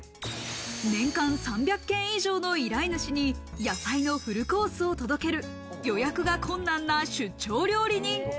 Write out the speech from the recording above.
年間３００件以上の依頼主に野菜のフルコースを届ける、予約が困難な出張料理人。